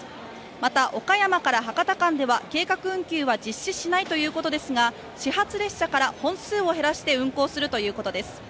また岡山から博多間では計画運休は実施しないということですが始発列車から本数を減らして運行するということです